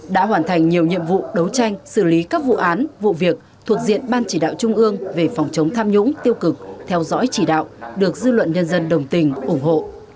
đã hoàn thành nhiều nhiệm vụ đấu tranh xử lý các vụ án vụ việc thuộc diện ban chỉ đạo trung ương về phòng chống tham nhũng tiêu cực theo dõi chỉ đạo được dư luận nhân dân đồng tình ủng hộ